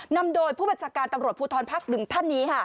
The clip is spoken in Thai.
นำโดยผู้บัจจาการตำรวจภูทรภาค๑ท่านนี้ค่ะ